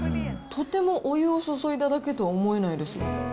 とてもお湯を注いだだけとは思えないですよ。